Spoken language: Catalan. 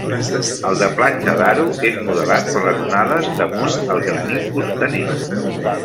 El de Platja d'Aro és modelat per les onades damunt el granit costaner.